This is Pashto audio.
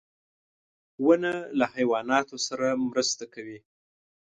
• ونه له حیواناتو سره مرسته کوي.